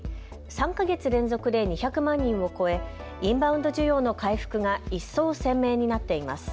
３か月連続で２００万人を超えインバウンド需要の回復が一層鮮明になっています。